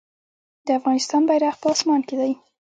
د افغانستان بیرغ په اسمان کې دی